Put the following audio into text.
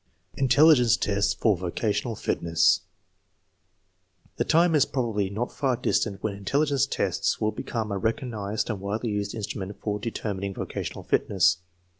Intelligence tests for vocational fitness. The time is probably not far distant when intelligence tests will be come a recognized and widely used instrument for deter mining vocational fitness.